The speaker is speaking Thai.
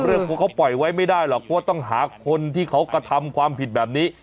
เรื่องของเขาปล่อยไว้ไม่ได้หรอกว่าต้องหาคนที่เขากระทำความผิดแบบนี้